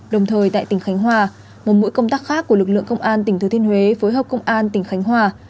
đồng thời tại tỉnh khánh hòa một mũi công tác khác của lực lượng công an tỉnh thứ thiên huế phối hợp công an tỉnh khánh hòa